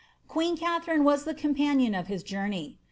Queen Kathtrioe was the companion of his journey.